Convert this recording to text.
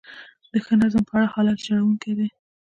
د ښه نظم په اړه حالت ژړونکی دی.